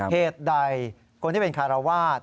เหตุใดคนที่เป็นคารวาส